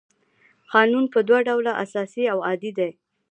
قانون په دوه ډوله اساسي او عادي دی.